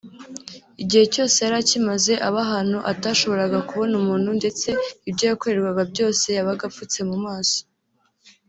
“Igihe cyose yari akimaze aba ahantu atashoboraga kubona umuntu ndetse ibyo yakorerwaga byose yabaga apfutse mu maso